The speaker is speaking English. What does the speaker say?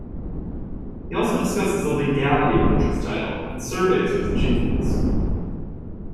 He also discusses the legality of Richard's title and surveys his achievements.